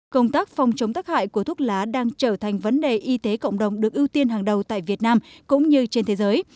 công tác phòng chống tắc hại của thuốc lá đang trở thành vấn đề y tế cộng đồng được ưu tiên hàng đầu tại việt nam cũng như trên thế giới